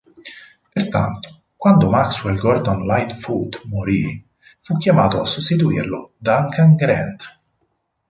Pertanto quando Maxwell Gordon Lightfoot morì, fu chiamato a sostituirlo Duncan Grant.